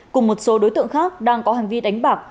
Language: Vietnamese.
cùng một số đối tượng khác đang có hành vi đánh bạc